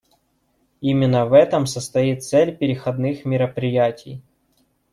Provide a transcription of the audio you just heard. Именно в этом состоит цель переходных мероприятий.